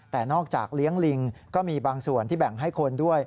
แต่นอกจากเลี้ยงลิงก็มีบางส่วนที่แบ่งให้คนด้วย